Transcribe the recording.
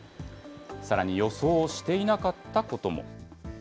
さらに、予想していなかったことも。